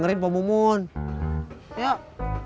gue yakin bapak lu juga nyuruh